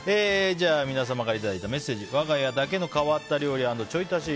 皆様からいただいたメッセージわが家だけの変わった料理＆ちょい足し